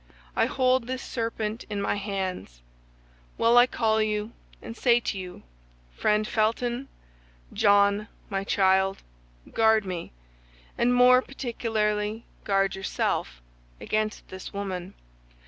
I hold this serpent in my hands. Well, I call you, and say to you: Friend Felton, John, my child, guard me, and more particularly guard yourself, against this woman.